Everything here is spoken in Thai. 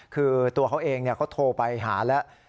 คือตัวเขาเองเขาโทรไปหาแล้ว